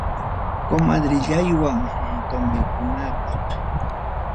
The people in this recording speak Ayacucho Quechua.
Comadrellaywan tomaykunaypaq.